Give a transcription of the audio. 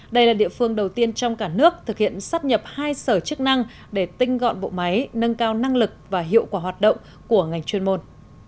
đây là địa phương đầu tiên trong cả nước thực hiện sắp nhập hai sở chức năng để tinh gọn bộ máy nâng cao năng lực và hiệu quả hoạt động của ngành chuyên môn